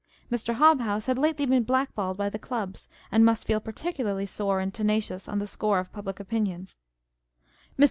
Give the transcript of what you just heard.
Mr. Hobhouse had lately been black balled by the Clubs, and must feel particularly sore and tenacious on the score of public opinion. Mr.